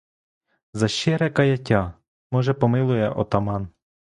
За щире каяття, може, помилує отаман.